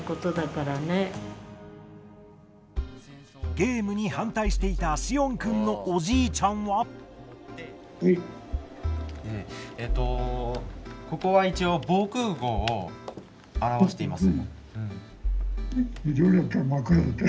ゲームに反対していたしおんくんのおじいちゃんはここは一応防空ごうを表しています。